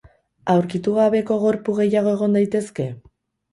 Aurkitu gabeko gorpu gehiago egon daitezke?